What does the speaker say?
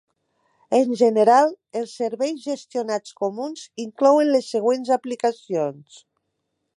En general, els serveis gestionats comuns inclouen les següents aplicacions.